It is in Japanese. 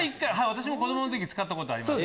私も子供の時使ったことあります